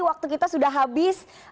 waktu kita sudah habis